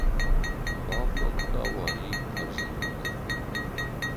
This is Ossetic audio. Бавнӕлдта Уари кӕрдзынмӕ дӕр.